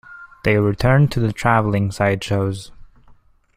They returned to the travelling sideshows.